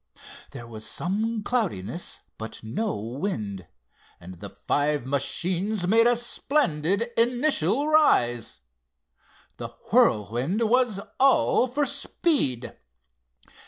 There was some cloudiness, but no wind, and the five machines made a splendid initial rise. The Whirlwind was all for speed.